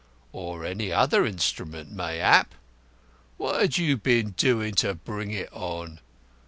"Or any other instrument, mayhap. What had you been doing to bring it on?"